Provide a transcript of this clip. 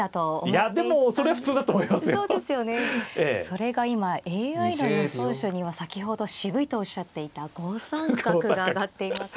それが今ＡＩの予想手には先ほど渋いとおっしゃっていた５三角が挙がっています。